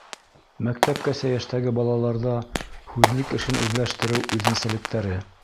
Мәктәпкәсә йәштәге балаларҙа һүҙлек эшен үҙләштереү үҙенсәлектәре.